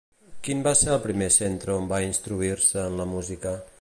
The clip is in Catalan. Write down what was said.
Quin va ser el primer centre on va instruir-se en la música?